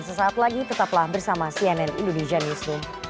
sesaat lagi tetaplah bersama cnn indonesia news dua